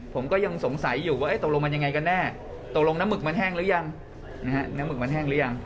ผมก็ยังสงสัยอยู่ว่าเอ๊ะตกลงมันยังไงกันแน่ตกลงน้ำหมึกมันแห้งหรือยังนะฮะ